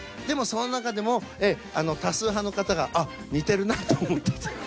でもその中でも多数派の方があっ似てるなと。